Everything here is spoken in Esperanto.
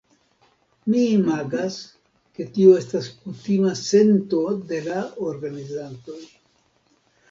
Mi imagas, ke tio estas kutima sento de la organizantoj.